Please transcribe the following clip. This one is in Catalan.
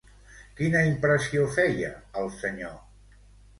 Quina impressió feia el senyor?